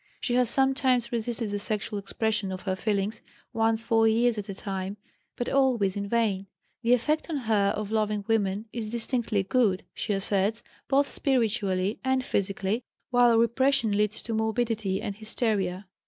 She has sometimes resisted the sexual expression of her feelings, once for years at a time, but always in vain. The effect on her of loving women is distinctly good, she asserts, both spiritually and physically, while repression leads to morbidity and hysteria.